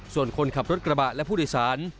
ส่วนคนขับรถกระบะและผู้โดยสาร